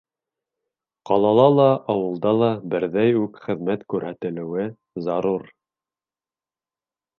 Ҡалала ла, ауылда ла берҙәй үк хеҙмәт күрһәтелеүе зарур.